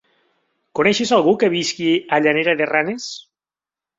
Coneixes algú que visqui a Llanera de Ranes?